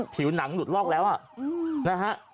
ผิวหนังหลุดลอกแล้วนะฮะ